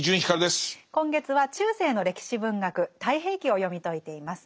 今月は中世の歴史文学「太平記」を読み解いています。